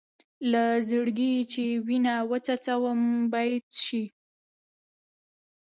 له زړګي چې وینه وڅڅوم بیت شي.